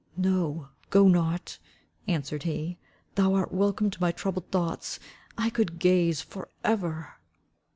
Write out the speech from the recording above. "No, go not." Answered he. "Thou art welcome to my troubled thoughts. I could gaze for ever."